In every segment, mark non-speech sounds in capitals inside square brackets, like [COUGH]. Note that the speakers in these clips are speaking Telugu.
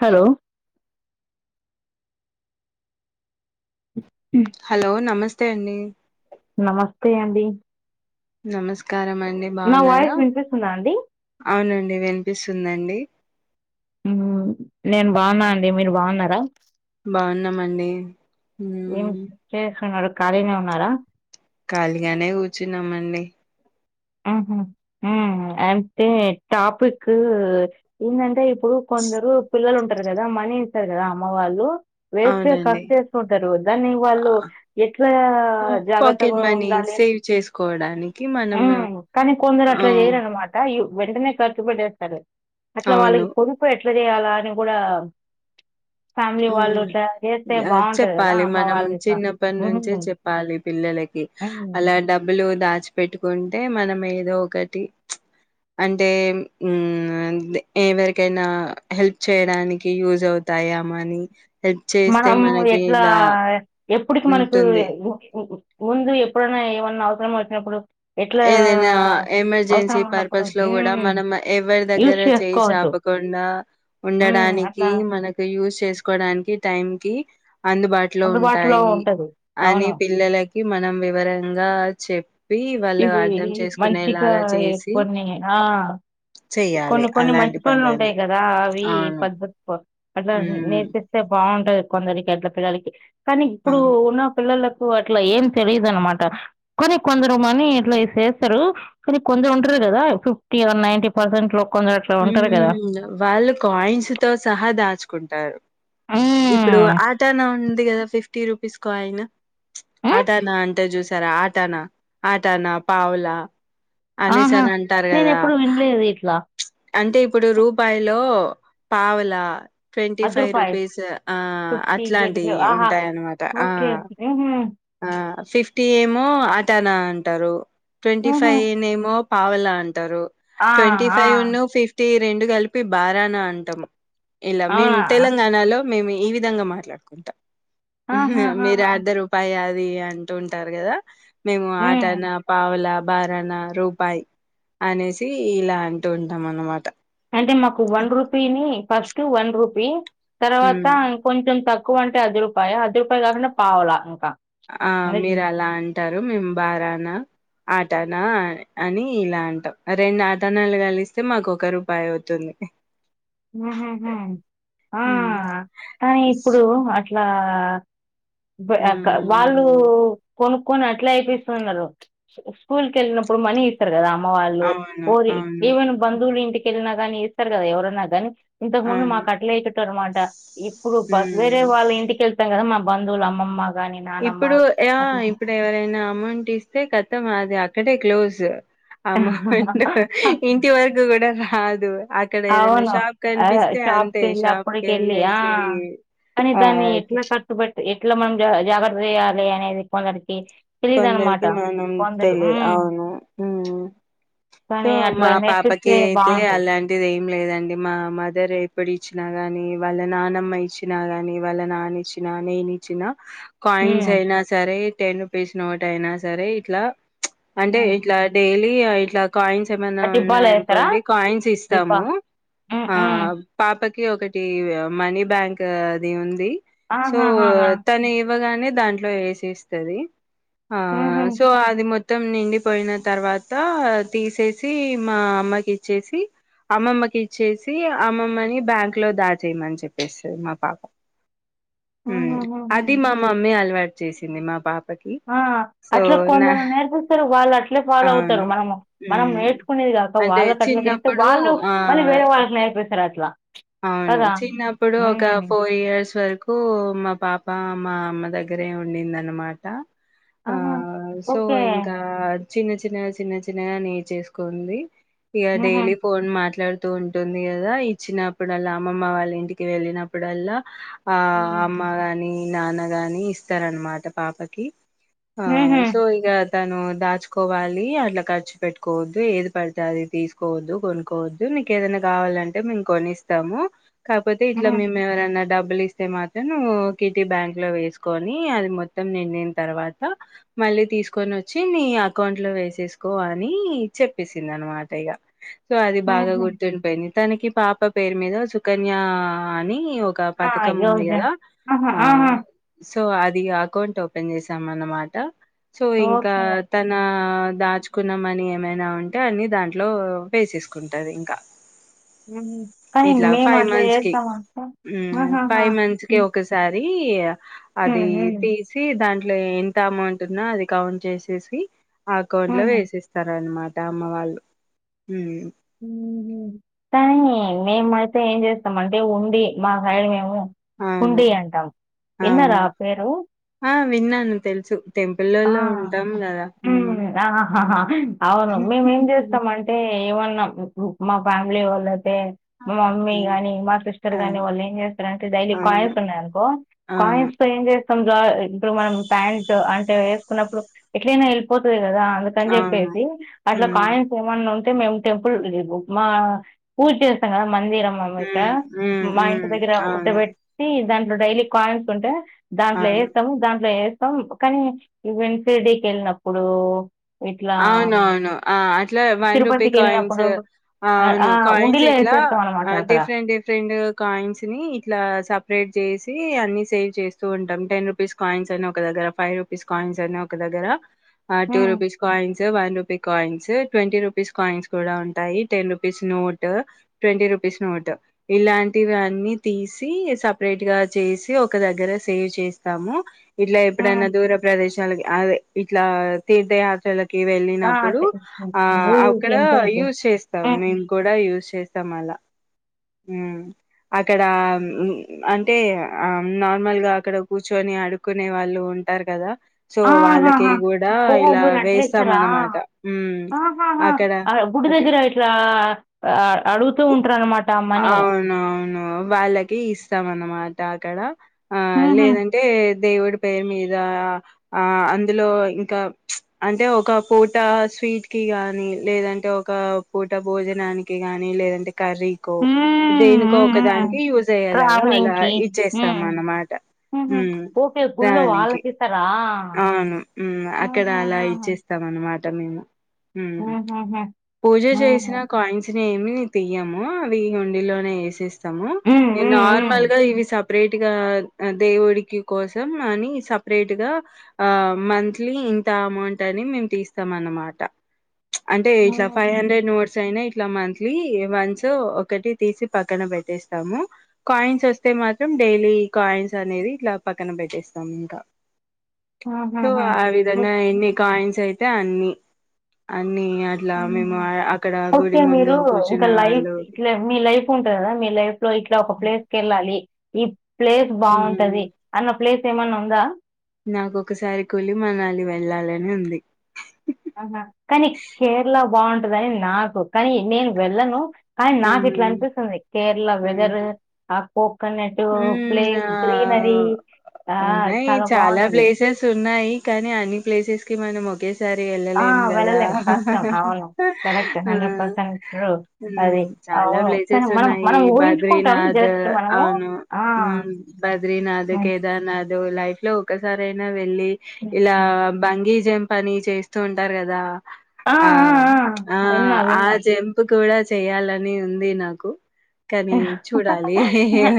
హలో హలో నమస్ తే అండి నమస్తే అండి నమస్కా కారం అండి నా బావున్నారా వాయిస్ వినిపిస్తుందా అండి అవునం ది విన్పిస్తుందండి ఉమ్ నేను బావున్నా అండి మీరు బావున్నారా బావున్నాం అండి ఏం చేస్తున్నారు ఖాళీనే ఉన్నారా ఖాళీగానే కూర్చున్నాం అండి ఆ ఆ అంతే టాపిిక్ ఏందంటే ఇప్పుడు కొందరు పిల్లలు ఉం ారు కదా మనీ ఇస్తారు కదా అమ్మ వాళ్ళు వేస్ట్ కట్ అవునండి చేసుకుంటారు దాన్ని వాళ్ళు ఆహ్, ఎట్లా పా పాకెట్ జాగ్రత్తగా మనీ ఉండాలి సేవ్ చేసుకోవడానికి హా మనం కానీ కొందరు ఆ అట్లా చేయరునమాట అ వెంటనే ఖర్చు పెడేస్తారు అట్లా వాళ్ళకి అవును పొనిపోయట్లా చేయాల అని కూడా ఫ్యామిలీ హా వాళ్ళు ఇట్లా చేస్తే హా బాగుంటది కదా చెప్పాలి అమ్మ మనం వాళ్ళు ఇట్లా చిన్నప్పటి ఉమ్ నుంచే చెప్పాలి పిల్లలకి ఉమ్ అలా డబ్బులు దాచ పెట్టుకుంటే మనం ఏదో ఒకటి చ్ అంటే హా అంటే ఎవరికైనా హెల్ప్ చేయడానికి యూస్ అవుతాయా మని మనము ఎట్లా ఎప్పుటికి మనకు ఉంటుంది. ముందు ఎప్పుడైనా ఏమన్నా అవసరం వచ్చినప్పుడు ఎట్లా ఏదైనా ఎమర్జెన్సీ అవసరం ఉన్నప్పుడు పర్పస్ లో కూడా ఉమ్ మనం ఎవరి యూస్ దగ్గర చేయి చేసుకోవచ్చు చాపకుండా ఉమ్ ఉండడానికి అట్లా మనకు యూజ్ చేసుకోవడానికి టైం కి అందుబాటులో అందుబాటులో ఉంటాయి ఉంటది అని అవును పిల్లలకి మనం వివరంగా చెప్ పి ఇవి మంచిగా చేసి, ఏర్కొని ఆ చెయ్యాలి కొన్ని కొన్ని అలాంటి మంచి పనులు పనులని. ఉంటాయి కదా అవి అవును. పద్ధతి కో అట్లా హ్మ్. నేర్పిస్తే బాగుం కొందరికి ఎట్ల పిల్లలకి కానీ ఇప్పుడు అవును. ఉన్న పిల్లల అట్లా ఏం తెలిదు అనమాట కొనీ కొందరు మని ఇట్లాస్తారు కానీ కొందరు ఉంటారు కదా ఫిఫ్టీ వన్ నైటీ పర్సెట్ లో కొందరు అట్లా ఉ ఉంటారు కదా ఉ వాళ్ళు కాయిన్స్ తో సహా దాచుకుంటారు ఇప్పుడు మ్మ్ ఆటానా ఉంది కదా ఫిఫ్టీ రూపీస్ కాయిన్ మ్మ్ ఆటానా అంటే చూసారా ఆటానా ఆటానా పావులా ఆహా నేను ఎప్పుడు వినలేదు ఇట్లా అంటే ఇప్పుడు రూపాయిలో పావలా ట్వంటీ అది ఫైవ్ రూపాయి రూపీస్ ఆ ఫిఫ్టీ ట్వంటీ అట్లాంటివి ఫైవ్ ఆహా ఉంటాయ అన్నమాట ఆ ఓకే మ్మ్హ్మ్, ఆ ఫిఫ్టీ ఏమో అటనా అంటారు ట్వంటీ ఫైవ్ మ్మ్హ్మ్. ఏ నేమో పావలా అంటారు ఆ ఆ ఫిఫ్టీ రెండూ కలిపి బారానా అంటాం ఇలా మీం అవునా తెలంగాణా లో మేం ఈ విధంగా మాట్లాడుకుంటా మీరు ఆహాహాహా. అర్ధ రూపాయా ది అంటుంటారు కదా మేము మ్మ్. ఆటనా పావలా బారానా రూపాయి అనేసి ఇలా అంటూ ఉం టాం అన్నమాట అంటే మాకు వన్ రూపీని ఫస్ట్ వన్ రూ పీ తరవాత హ్మ్. ఇంకొంచెం త క్కువ అంటే అర్ధ రూపాయ అర్ధ రూపాయ కాకుండా పావలా ఇంక ఆ మీరు అలా అంటారు మే బారానా అర్ టనా అని ఇలా అంటాం రెండు ఆటనాలు కలిస్తే మాకు ఒక రూపాయి అవుతుంది హ్మ్. ఆ స్ ఇప్పుడు అట్లా ఆ బ్ అక్ వాళ్ళు హ్మ్. కొను కొని అట్ల అయిపిస్తున్నరు స్కూల్ కి ఎళ్ళినప్పుడు మనీ ఇస్తరు కదా మ్మ వాళ్ళు అవును. కోరి అవును. ఈవెన్ బంధువులు ఇంటికెళ్ళినా గానీ ఇస్తరు కదా ఎవరన్నా సరే ఇంతకుముందు అవును. మాకు అట్లే ఇచ్చేటోళ్లు అన్నమాట ఇప్పుడు వేరే హ్మ్. వాళ్ళ ఇంటికి వెళ్ తాకద మా బంధువులు అమ్మమ్మ గానీ, నానమ్మ ఇప్పుడు యా అట్లా ఇప్పుడు ఎవరైనా అమౌంట్ ఇస్తే కతం అది అక్కడే క్లోజ్ [UNINTELLIGIBLE] ఇంటి వరకు కూడా రాదు అక్కడ ఏదైనా ఆవును షాప్ ఆ కనిపిస్తే షాప్ అంతే కెళ్ళి షాప్ అప్పుడి కెళ్ళి ఆ కెళ్ళేసి కానీ ఆ దాన్ని ఎట్ల ఖర్చు పెట్టి ఎట్ల మనం జా జాగర్ వేయాలి అనేది కొందరికి తెలీదనమాట. కొందరికి మనం కొందరు తెలిదు హ్మ్. అవును ఉమ్ సో కానీ అట్లా మా పాపకి నేర్పిస్తే అయితే బావుంటది. అలాంటిది లేదండి మా మదర్ ఎప్పుడు ఇచ్చినా గానీ, వాళ్ళ నానమ్మ ఇచ్చినా గాని, వాళ్ళ నాన్న ఇచ్చిన గాని, నేను ఇచ్చినా హ్మ్. కాయిన్స్ అయినా సరే టెను వేసినోటి అయినా సరే ఇట్లా ప్చ్ అంటే అవును. ఇట్లా డైలీ ఇయ ఇట్లాత్ కాయిన్స్ ఆ ఏమన్నా డిబ్బాలో ఏస్తారా? ఉన్నాయనుకోండి కాయిన్స్ డిబ్బా. ఇస్తాము హ్మ్. ఆ హ్మ్. పాపకు ఇ ఒకటి మనీ బ్యాంక్ అది ఉంది సో ఆహాహాహా! తనఏం ఇవ్వగానే దాంట్లో వేసి ఇస్తది. ఆ హుహు. సో అది మోత్ మొత్తం నిండిపోయిన తర్వాత తీసేసి మా అమ్మకి ఇచ్చేసి అమ్మమ్మకి ఇచ్చేసి అమ్మమ్మని బ్యాంక్ లో దాచేయమని చెప్పేసింది మా పాప హ్మ్ హుహుహుహు. అది మా మమ్మీ అలవాటు చేసింది. మా పాపకి ఆ సో అట్లా నా కొందరు నేర్పిస్తారు. వాళ్ళు అట్లే ఫాలో అవుతారు. అవును మనం మనం మ్ నేర్చుకునేదిగాక అంటే వాళ్ళకి అట్లే చేస్తే చిన్నప్పుడు వాళ్ళు మళ్ళీ ఆ వేరే వాళ్ళకి నేర్పిస్ రాట్ల అవును చిన్నప్పుడు ఒక ఫోర్ ఇయర్స్ వరకు కు మా పాప మా అమ్మ దగ్గరే ఉండింది అనమాట ఆ ఆహా! So okay. ఇంకాత్ చిన్న చిన్నగా చిన్న చిన్నగా నేరుచేసుకోంది. ఇగ హుహు. డైలీ ఫోన్ మాట్లాడు తు ఉంటుంది కదా ఈ చిన అప్పుడల్లా అమ్మమ్మ వాళ్ళ ఇంటికి వెళ్ళినప్పుడల్లా ఆ హ్మ్. అమ్మగాని నాన్నగాని ఇస్తారన్నమాట పాపకి ఆ హుహు. సో ఈగత్ తను దాచుకోవాలి అట్లా ఖర్చు పెట్టుకోవద్దు. ఏది పడుతే అది తీసుకోవద్దు కొనుక్కోవద్దు. నీకు ఏదైనా కావాలంటే మేము కొనిస్తా తాము కాపోతే ఇట్లా హ్మ్. మేము ఎవరు అన్న డబ్బు డబ్బులు ఇస్తే మాత్రం నువ్వు కిట్టి బ్యాంక్ లో వేసుకొని అది మొత్తం నిండిన తర్వాత మళ్ళీ తీసుకొని వచ్చి నీ అకౌంట్ లో వేసేసుకో అని చెప్పేసింది. అనమాట ఇగ సో అది బాగా హుహు. గుర్తుండిపోయింది. తనకి పాపపు పేరు మీద సుకన్య అని ఒక ఆ! పథకం ఉంది. యోజ కదా ఆహా! ఆ ఆహా! సో అది అకౌంట్ ఓపెన్ చేసాం. అన్నమాట సో ఇంకా ఓకే. తన దాచుకున్నాంమని ఏమైనా ఉంటే అన్ని దాంట్లో వేసేసుకుంటారు. ఇంకా కానీ ఇట్లా మేము ఫైవ్ అట్లా మంత్స్‌కి చేతమా అక్క అహహ రి అ అది తీసి దాన్ ఇట్లా ఎంత అమౌంట్ ఉన్నా అది కౌంట్ చేసేసి ఆ అకౌంట్ లో హ్మ్. వేసిస్తార అనమా ట్ట అమ్మ వాళ్ళు మ్మ్ హ్మ్ హు కానీ మేము అయితే ఏం చేస్తాం అంటే ఉండి మా సైడ్ మేము అవును. కుండి అంటాం ఎన్నర అవును. ఆ పేరు ఆ విన్నాను తెలుసు ఆ టెంపుల్లలో ఉంటాం కదా హ్మ్ ఆ అవును మేమేం చేస్తాం అంటే ఏమన్నా గూక్ మా ఫ్యామిలీ వాళ్ళ తే మా మమ్మీ హ్మ్ గాని మా సిస్టర్ గాని అవును వాళ్ళు ఏం చేస్తారంటె డైలీ అవును కాయిన్స్ ఉన్నాయ అనుకో అవును కాయిన్స్ తో ఏం చేస్ సంజాయ్ ఇప్పుడు మనం టాయ్స్ ఏ వేసుకున్నప్పుడు ఎట్లైనా వెళ్ళిపోతది కదా అందుకని అవును చెప్పేసి అట్లా హ్మ్ కాయన్స్ ఏమన్నా ఉన్ టె మేము టెంపుల్ లే మా పూజ చేస్తాం కదా మందిరం అనమాట హ్మ్ హ్మ్ మ్మ్ మా హ్మ్ ఇంటి దగ్గర అవును ఉట్టబెట్టి దాన్ ఇప్పుడు డైలీ కాయిన్స్ ఉంటె దాంట్లో అవును వేస్తాము దాంట్లో ఎస్ అ కానీ ఈవెంస్ డీకి వెళ్ళినప్పుడు ఇట్లా అవునవును ఆ అత్ ఇట్లా వన్ రూపీ తిరుపతికి కాయిన్స్, వెళ్ళినప్పుడు అ ఆ అవును ఆ కాయిన్స్ ఉండిలో ఇట్లా వేసేస్తాం అనమాట అక్కడ డిఫరెంట్ డిఫరెంట్ కాయిన్స్ ని ఇట్లా సపరేట్ చేసి అన్ని సేవ్ చేస్తూ ఉంటాం టెన్ రూపీస్ కాయిన్స్ అని ఒక దగ్గర ఫైవ్ రూపీస్ కాయిన్స్ అని ఒక దగ్గర అ టూ హ్మ్, రూపీస్ స్ one rupee coins twenty rupees coins కూడా ఉంటాయి, ten rupees note twenty rupees note ఇలాంటివి అన్ని తీసి, సపరేట్ గా చేసి, ఒక దగ్గర సేవ్ చేస్తాము. ఇట్లా హ్మ్, ఎప్పుడైనా దూర ప్రదేశాల అదే ఇట్లా తీర్థయ చ క ఆ, వెళ్ళినప్పుడు తె- ఆ గుడి అక్కడ టెంపుల్ కి యూస్ చేస్తాం హ్మ్. మేము కూడా యూజ్ చేస్ మల్ల అక్కడ అంటే నార్మల్గా అక్కడ కూర్చొని అడుకునే వాళ్ళు ఉంటారు కదా సో వాళ్ళకి కూడా ఇలా వేస్తాం అట్లేస్తారా అన్నమాట ఉమ్, అక్కడ గుడి అక్కడ దగ్గర ఇట్లా అ అడుగుతూ ఉంటారున్నమాట అవునవును వాళ్ళకి ఇస్తాం అన్నమాట అక్కడ ఆ లేదంటే దేవుడు పేరు మీదా ఆ అందులో ఇంకా అంటే ఒక పూట స్వీట్కి గానీ లేదంటే ఒక పూట భోజనానికి గానీ లేదంటే కర్రీ కో దేనికో ఒక దానికి యూజ్ అయ్యేలాగా ట్రావెలింగ్ అలా కి ఇచ్చేస్తాం హ్మ్, అన్నమాట హ్మ్. మ్ ఓకే గుళ్ళో దానికి వాళ్ళకి ఇస్తారా అవును మ్ అక్కడ అలా ఆహాహాహా. ఇచ్చేస్తామన మాట మేము హ్ హ్మ్, హ్మ్, పూజ హ్మ్. చేసిన కాయిన్స్ ఏమి తీయము అవి ఉండిలోనే ఏసేస్ ము నేన్ నార్మల్గా ఇవి సప్ ప్రేట్గా దేవుడికి కోసం అని సప్రేట్గా ఆ మంత్లీ ఇంత అమౌంట్ అని మేము తీస్తాం అన్నమాట. అంటే ఇట్లా ఫైవ్ హండ్రెడ్ నోట్స్ అయినయి ఇట్ల మంత్లీ వన్స్ ఒకటి తీసి పక్కన పెట్టేస్తాము. కాయిన్స్ వస్తే మాత్రం డైలీ కాయిన్స్ అనేది ఇట్ల పక్కన పెట్టేస్తాము ఇంకా. సో ఆ విధంగా ఎన్ని కాయిన్స్ అయి అన్నీ అ హ్ గుడి ఓకే ముందు మీరు కూర్చున్న ఇంకా లైఫ్ వాళ్ళు ఇట్ మీ లైఫ్ ఉంటంది కదా మీ లైఫ్లో ఇట్లా ఒక ప్లేస్కెళ్ళాలి. ఇ ప్లేస్ బాగుంటది. అన్న ప్లేస్ ఏమన్న ఉందా? నాకొకసారి కులి మనాలి వెళ్ళాలని ఉంది. ఆహా. కానీ కేరళ బాగుంటదని నాకు కానీ నేను వెళ్ళను. కానీ నాకు ఉమ్ ఇట్లలనిపిస్తుంది. కేరళ వెదర్ కోకోనట్ హ్మ్ ప్లేస్ ఆ గ్రీనరీ ఆ ఉన్నయి చాలా బాగుంటది ప్లేసెస్ ఉన్నాయి. కానీ అన్ని ప్లేసెస్కి మనం ఒకే సారి ఆ వెళ్ళలేము కదా వెళ్ళలేం కష్టం అవును కరెక్ట్ ఆ హండ్రెడ్ పర్సెంట్ ట్రూ అది చాలా అవును కానీ ప్లేసెస్ మనం ఉన్నాయి. మనం ఊహించుకుంటాం బద్రీనాథ్ జస్ట్ మనము అవును. ఆ ఉ బద్రీనాథ్ ఉమ్, కేదార్నాథ్ లైఫ్లో ఒకసారైనా వె లె ఇలా ఉమ్. బంగీజం పనీ చేస్తూ ఉంటారు కదా. ఆ ఆ విన్నా ఆ విన్నా జంపు కూడా చెయాలని ఉంది నాకు. కనీ చూడాలి.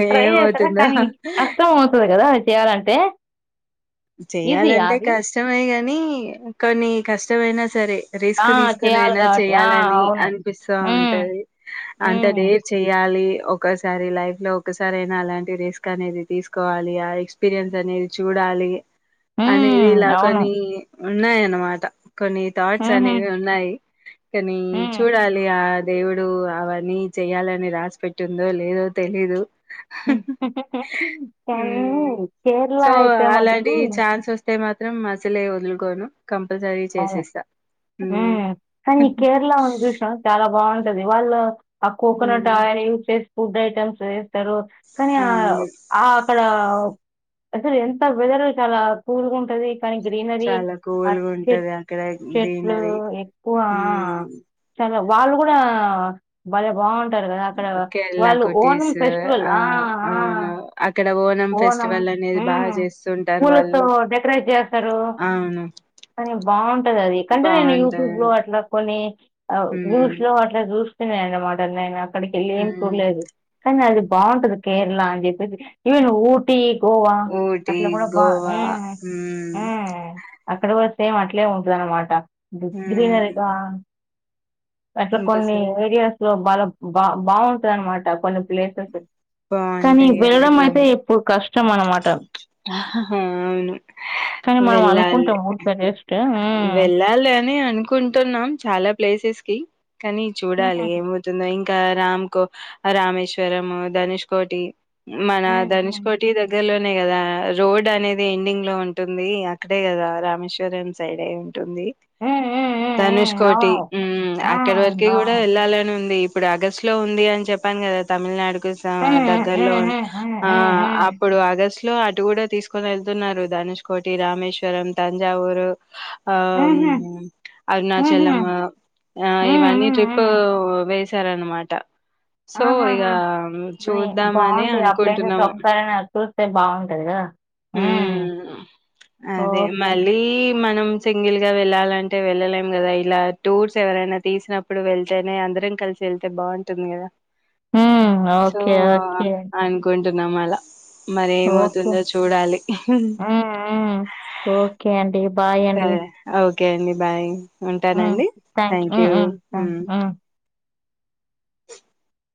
ట్రై చేస్తారా ఏమవుతుందో కానీ కష్టం అవుతది. కదా చేయాలంటే ఈజీ చెయాలంటే అది కష్టమే నీ కొన్ని కష్టమైనా సరే ఆ రిస్క్ తీసుకొని చేయాలి అయినా కాబట్టి ఆ చెయ్యాలని అవును అనిపిస్తా ఉమ్, ఉంటది అంటే ఉమ్, డేర్ చెయ్యాలి ఒకసారి లైఫ్ లో ఒక్కసారి అయినా అలాంటి రిస్క్ అనేది తీసుకోవాలి ఆ ఎక్స్పీరియన్స్ అనేది చూడాలి అనీ ఉమ్, అవును వీలాకొనీ ఉన్నాయన్నమాట కొన్ని థాట్స్ ఉహుం, అనేవి ఉన్నాయి. కానీ ఉమ్. చూడాలి ఆ దేవుడు అవన్నీ చెయాలని రాసి పెట్టిందో లేదో తెలీదు కేరళ అయితే మటు ఈ చాన్స్ ఒస్తే మ త్రం అసలే ఒదులుకోను హ్మ్ కానీ కేరళ ఉంది చూసినవా చాలా బా టది వాళ్ళో ఆ కోకోనట్ మ్మ్ ఆయిల్ యూస్ చేస్ ఫుడ్ ఐటెమ్స్ వేస్తారు కానీ ఆ అవును ఆక్కడా అసలు ఎంత వెదర్ చాలా కూల్ గుం టది కానీ గ్రీనరీ చాలా కూల్గా ఉంటది అక్కడ చెట్లు గ్రీనరీ ఎక్కువా మ్మ్ చ వాళ్ళు కూడా బలే బా కేరళ కుటీస్ ఆ ఆ! అవును అక్కడ ఓనం ఫెస్టివల్ అనేది బాగా చేస్తుంటారు పూలతో వాళ్ళు డెకరేట్ చేస్తారు. అవును కానీ బాగుంటది అది కంటే నేను యూట్యూబ్ లో బాగుంటది అట్లా కొన్నీ మ్మ్ వ్యూస్ లో అట్లా చూస్ [INAUDIBLE] అక్కడికెళ్ళి ఏం మ్మ్ చూడలేదు కానీ అది బాగుంటది కేరళ అని చెప్పేసి ఈవెన్ ఊటీ గోవా ఊటీ అట్లా కూడా బా గోవా ఉమ్ మ్మ్ ఉమ్ అక్కడ కూడా సేమ్ అట్లే ఉంటదన్నమాట మ్మ్ గ్రీనరీగా అట్లా కొన్ని ఇంకోసారి విడియోస్ లో బాగ బా బాగుంటదనమాట కొం ప్లేసెస్ కానీ బాగుంటాయి వెళ్ళడం అయితే ఎప్పుడు కష్టం అనమా ట హా హా అవును కానీ వె మనం అనుకుంటాం ఊరికే జస్ట్ హ్మ్. వెళ్ళాలి అని అనుకుంటున్నాం చాలా ప్లేసెస్ కి కనీ చూడాలి హుహు. ఏమవుతుందో ఇంక్ కా రామ్ కో రామేశ్వరము ధనుష్ కో మన హ్మ్. ధనుష్ హ్మ్. కోటి దగ్గరలో నే కదా ఆ రోడ్ అనేది ఎండింగ్ లో ఉంటుంది అక్కడే కదా రామేశ్వరం సైడే ఉం టుంది ఉమ్, ఉమ్, ఉమ్, ఉమ్, ధనుష్ కోటి అవును ఉమ్ అక్కడ ఉమ్, వరకి కూడా అవును వెళ్ళాలని ఉంది ఇప్పుడు అగస్టు లో ఉంది సా ఉమ్, దగ్గర్లో ఉమ్, ఉంద్ ఉమ్, ఆ ఉమ్, అప్పుడు ఆగస్ట్ లో అగ్ ఇటు కూడ ఆ ఉమ్, ఉమ్, ఉమ్, ఉమ్, ఉమ్, ఉమ్, ఉమ్, సరే అనమాట ఆహ స్తే చూద్దామని అనుకుంటున్నాం. బాగుంటదిగా ఉమ్ అదే ఓ- మళ్ళీ మనం సింగిల్ గా వెళ్ళాలంటే వెళ్ళలేం కదా ఇలా టూర్స్ ఎవరైనా తీసినప్పుడు వెళ్తేనే అందరం కలిసి వెళ్తే బాగుంటుంది కదా ఉమ్, సో ఓకే ఓకే అనుకుంట్ టున్నమల ఓకే మరేమవుతుందో ఉమ్ ఉమ్ ఓకే అండి బాయ్ అండి సరే ఓకే అండి బాయ్ ఉంటానండి థ్యాంక్ థాంక్యూ ఉ యూ